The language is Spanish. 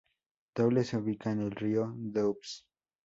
Dole se ubica en el río Doubs.